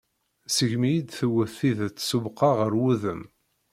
Segmi iyi-d-tewwet tidet s ubeqqa ɣer wudem.